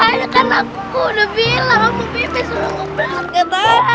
ayah kan aku udah bilang mau pipis udah ngeblankan